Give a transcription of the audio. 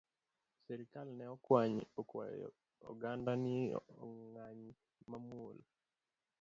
Sirikal ne okwayo oganda ni ong’any mamuol